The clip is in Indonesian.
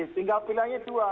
tinggal pilihannya dua